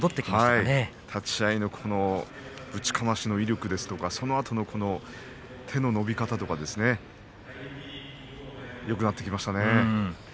立ち合いのぶちかましの威力ですとかそのあとの手の伸び方ですねよくなってきましたね。